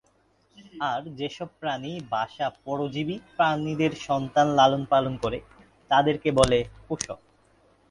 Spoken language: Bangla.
আর যেসব প্রাণী বাসা পরজীবী প্রাণীদের সন্তান লালন পালন করে, তাদেরকে বলে পোষক।